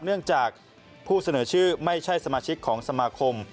เนื่องจากผู้เสนอชื่อไม่ใช่สมาชิกของสมาคม